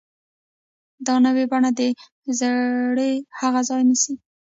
دا نوې بڼه د زړې هغې ځای نیسي.